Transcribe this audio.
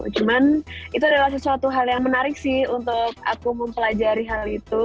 cuman itu adalah sesuatu hal yang menarik sih untuk aku mempelajari hal itu